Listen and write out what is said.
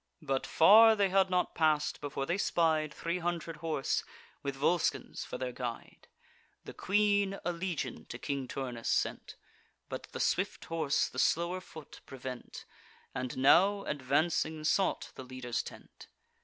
But far they had not pass'd, before they spied Three hundred horse, with Volscens for their guide. The queen a legion to King Turnus sent; But the swift horse the slower foot prevent, And now, advancing, sought the leader's tent.